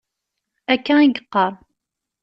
Akka i yeqqar.